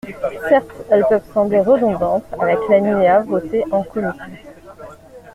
Certes, elles peuvent sembler redondantes avec l’alinéa voté en commission.